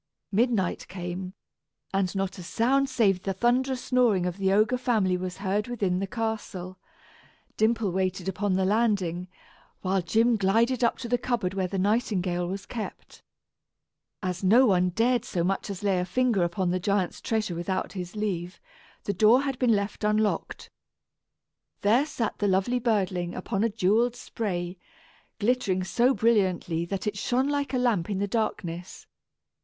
Midnight came, and not a sound save the thunderous snoring of the ogre family was heard within the castle. Dimple waited upon the landing, while Jim glided up to the cupboard where the nightingale was kept. As no one dared so much as lay a finger upon the giant's treasure without his leave, the door had been left unlocked. There sat the lovely birdling upon a jewelled spray, glittering so brilliantly that it shone like a lamp in the darkness.